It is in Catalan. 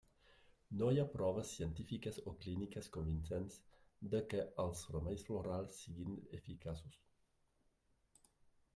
No hi ha proves científiques o clíniques convincents de què els remeis florals siguin eficaços.